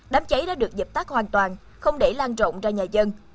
đám cháy đã được dập tắt hoàn toàn không để lan trộn ra nhà dân